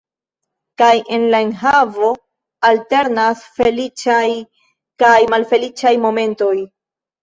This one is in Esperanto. Kaj en la enhavo alternas feliĉaj kaj malfeliĉaj momentoj.